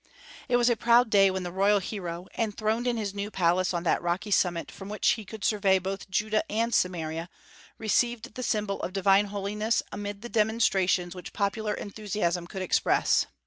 It was a proud day when the royal hero, enthroned in his new palace on that rocky summit from which he could survey both Judah and Samaria, received the symbol of divine holiness amid all the demonstrations which popular enthusiasm could express.